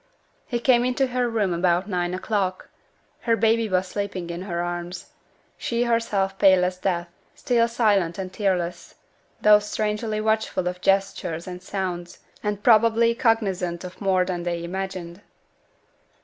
He came into her room about nine o'clock; her baby was sleeping in her arms; she herself pale as death, still silent and tearless, though strangely watchful of gestures and sounds, and probably cognizant of more than they imagined.